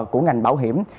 của ngành bảo hiểm